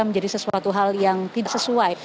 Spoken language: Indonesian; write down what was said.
menjadi sesuatu hal yang tidak sesuai